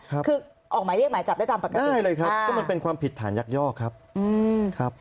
คือออกหมายเรียกหมายจับได้ตามปกติใช่เลยครับก็มันเป็นความผิดฐานยักยอกครับอืมครับ